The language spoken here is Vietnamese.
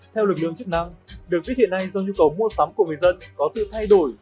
theo lực lượng chức năng được biết hiện nay do nhu cầu mua sắm của người dân có sự thay đổi